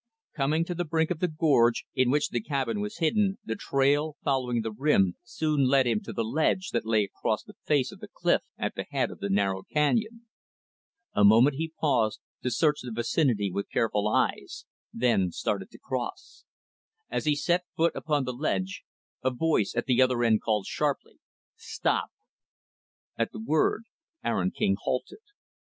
Coming to the brink of the gorge in which the cabin was hidden, the trail, following the rim, soon led him to the ledge that lay across the face of the cliff at the head of the narrow canyon. A moment, he paused, to search the vicinity with careful eyes, then started to cross. As he set foot upon the ledge, a voice at the other end called sharply, "Stop." At the word, Aaron King halted.